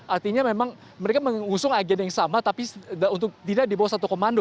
artinya memang mereka mengusung agenda yang sama tapi untuk tidak di bawah satu komando